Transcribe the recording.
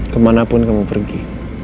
kemanapun kamu pergi